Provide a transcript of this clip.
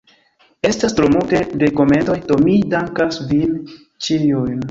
Estas tro multe de komentoj, do mi dankas vin ĉiujn.